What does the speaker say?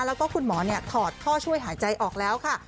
แล้วก็คุณหมอถอดท่อช่วยหายใจออกแล้วค่ะ